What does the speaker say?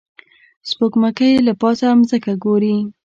سپوږمکۍ له پاسه ځمکه ګوري